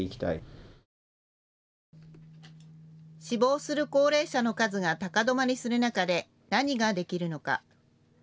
死亡する高齢者の数が高止まりする中で何ができるのか。